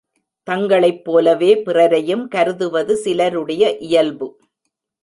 தங்களைப் போலவே பிறரையும் கருதுவது சிலருடைய இயல்பு.